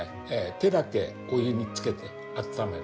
手だけお湯につけて温める。